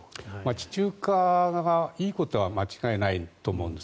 地中化がいいことは間違いないと思うんです。